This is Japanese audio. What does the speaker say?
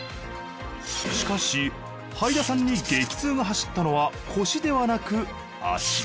しかしはいださんに激痛が走ったのは腰ではなく足。